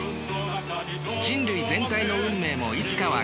人類全体の運命もいつかは消える。